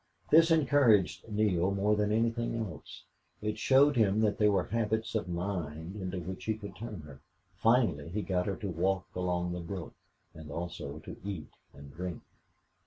This encouraged Neale more than anything else; it showed him that there were habits of mind into which he could turn her. Finally he got her to walk along the brook and also to eat and drink.